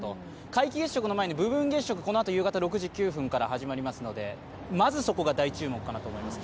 皆既月食の前に部分月食、このあと夕方６時９分から始まるのでまず、そこが大注目かなと思います